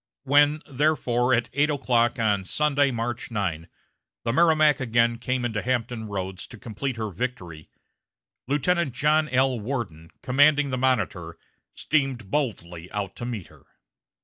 When, therefore, at eight o'clock on Sunday, March 9, the Merrimac again came into Hampton Roads to complete her victory, Lieutenant John L. Worden, commanding the Monitor, steamed boldly out to meet her.